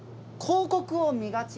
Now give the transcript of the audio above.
「広告を見がち」。